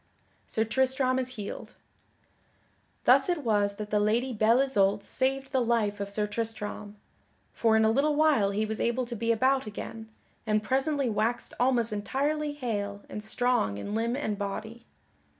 [Sidenote: Sir Tristram is healed] Thus it was that the Lady Belle Isoult saved the life of Sir Tristram, for in a little while he was able to be about again, and presently waxed almost entirely hale and strong in limb and body.